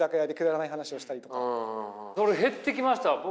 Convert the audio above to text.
それ減ってきました？